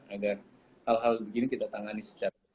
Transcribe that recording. agar hal hal begini kita tangani secara